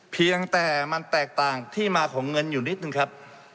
เพียงแต่มันแตกต่างที่มาของเงินอยู่นิดนึงครับ